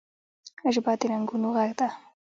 ژبه د رنګونو غږ ده